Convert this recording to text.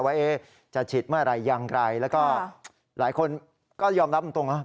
ว่าจะชิดเมื่อไรยังไงแล้วก็หลายคนก็ยอมรับมันตรงนะ